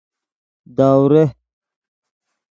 دوره